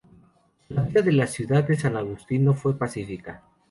La vida de la ciudad de San Agustín no fue pacífica.